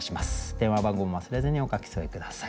電話番号も忘れずにお書き添え下さい。